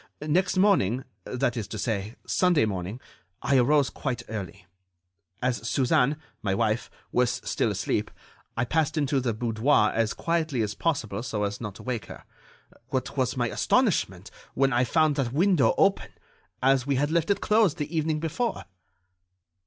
Next morning, that is to say, Sunday morning, I arose quite early. As Suzanne, my wife, was still asleep, I passed into the boudoir as quietly as possible so as not to wake her. What was my astonishment when I found that window open—as we had left it closed the evening before!"